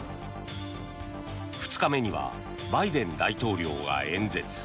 ２日目にはバイデン大統領が演説。